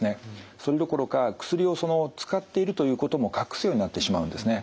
それどころか薬を使っているということも隠すようになってしまうんですね。